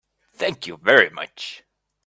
Thank you very much.